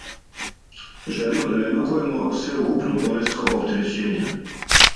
Желимо да редукујемо свеукупно пореско оптерећење.